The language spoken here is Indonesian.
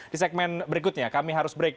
di segmen berikutnya kami harus break